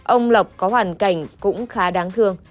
ông lộc có hoàn cảnh cũng khá đáng thương